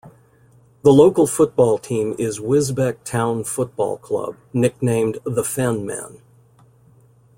The local football team is Wisbech Town Football Club, nicknamed "The Fenmen".